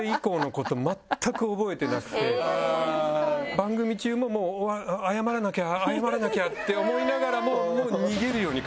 番組中も謝らなきゃ謝らなきゃって思いながらも。